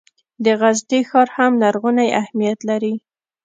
د غزني ښار هم لرغونی اهمیت لري.